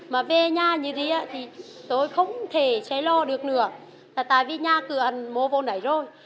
mà về nhà như thế thì tôi không thể xây lô được nữa tại vì nhà cửa ăn mô vô nảy rồi